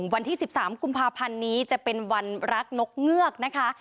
วันที่๑๓กุมภาพันธ์นี้จะเป็นวันรักนกเงือกนะคะ